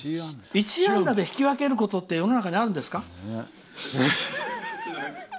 １安打で引き分けることって世の中にあるんですか。